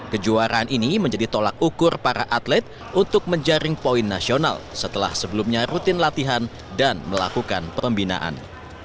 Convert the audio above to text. kejuaraan ini menjadi tolak ukur para atlet untuk menjaring poin nasional setelah sebelumnya rutin latihan dan melakukan pembinaan